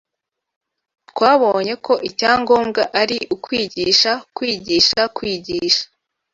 twabonye ko icyangwombwa ari ukwigisha, kwigisha, kwigisha.